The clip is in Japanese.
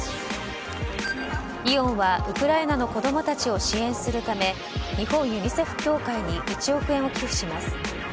イオンはウクライナの子供たちを支援するため日本ユニセフ協会に１億円を寄付します。